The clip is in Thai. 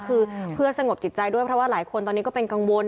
คือเพื่อสงบจิตใจด้วยเพราะว่าหลายคนตอนนี้ก็เป็นกังวล